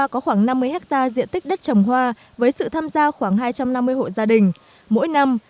có khoảng năm mươi hectare diện tích đất trồng hoa với sự tham gia khoảng hai trăm năm mươi hộ gia đình mỗi năm